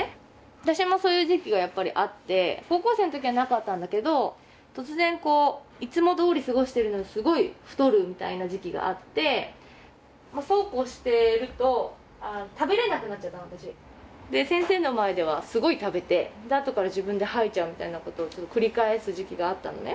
私もそういう時期がやっぱりあって高校生のときはなかったんだけど突然こういつもどおり過ごしてるのにすごい太るみたいな時期があってそうこうしてると食べれなくなっちゃったの私先生の前ではすごい食べてあとから自分で吐いちゃうみたいなことを繰り返す時期があったのね